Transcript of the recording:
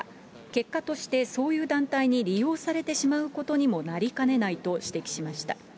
結果として、そういう団体に利用されてしまうことにもなりかねないと指摘しました。